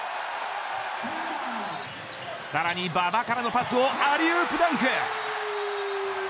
さらに馬場からのパスをアリウープダンク。